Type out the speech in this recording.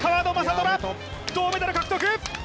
虎、銅メダル獲得！